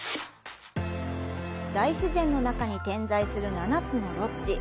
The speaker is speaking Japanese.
大自然の中に点在する７つのロッジ。